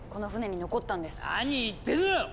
何言ってるのよ！